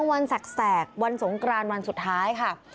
วันแสกวันสงกรานวันสุดท้ายค่ะ